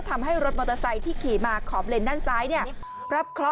ทำให้รถมอเตอร์ไซค์ที่ขี่มาขอบเหล็นด้านซ้ายเนี่ยรับคลอ